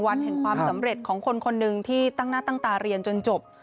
วันแห่งความสำเร็จของคนคนหนึ่งที่ตั้งหน้าตั้งตาเรียนจนจบ